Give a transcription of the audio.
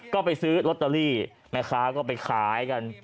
ก็ไปซื้อลอตเตอรี่แม่ค้าก็ไปขายกัน